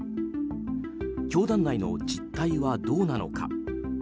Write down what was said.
教団内の実態はどうなのか。